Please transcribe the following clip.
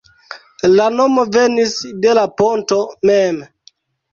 La nomo venis de la ponto mem.